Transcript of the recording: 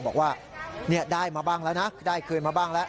บอกว่าได้มาบ้างแล้วนะได้คืนมาบ้างแล้ว